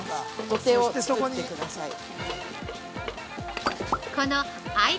土手を作ってください。